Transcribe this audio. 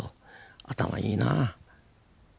頭いいなぁ。